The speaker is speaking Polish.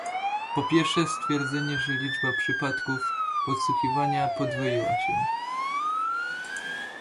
Po pierwsze, twierdzenie, że liczba przypadków podsłuchiwania podwoiła się